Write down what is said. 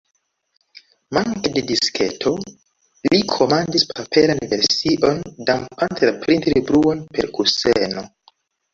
Manke de disketo, li komandis paperan version, dampante la printil-bruon per kuseno.